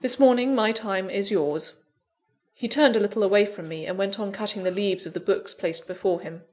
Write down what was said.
This morning my time is yours." He turned a little away from me, and went on cutting the leaves of the books placed before him.